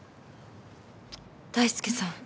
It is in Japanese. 大介さん